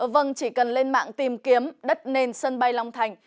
vâng chỉ cần lên mạng tìm kiếm đất nền sân bay long thành